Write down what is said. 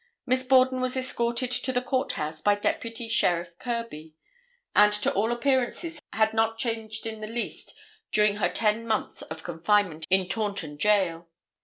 Miss Borden was escorted to the court house by Deputy Sheriff Kirby and to all appearances had not changed in the least during her ten months of confinement in Taunton jail.